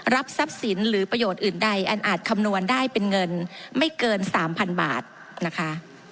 ทรัพย์สินหรือประโยชน์อื่นใดอันอาจคำนวณได้เป็นเงินไม่เกิน๓๐๐๐บาทนะคะ